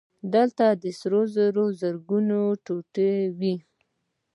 دلته د سرو زرو زرګونه ټوټې وې